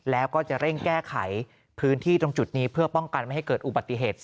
แล้วก็จะเร่งแก้ไขพื้นที่ตรงจุดนี้เพื่อป้องกันไม่ให้เกิดอุบัติเหตุ